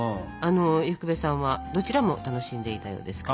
伊福部さんはどちらも楽しんでいたようですから。